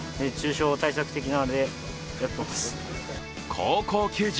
高校球児